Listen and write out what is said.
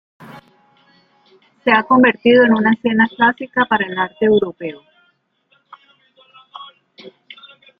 Se ha convertido en una escena clásica para el arte europeo.